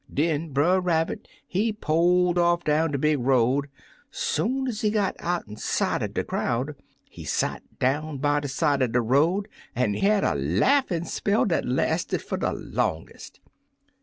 Den Brer Rabbit he poled off down de big road. Soon ez he got out'n sight er de crowd, he sot down by de side er de road an' had a laughin' spell dat lasted fer de longest.